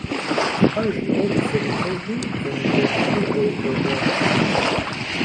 Щхьэж и Iуэху зэрихуэжу зэныбжьэгъуитIыр дэувэжащ.